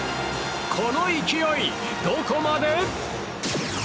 この勢い、どこまで？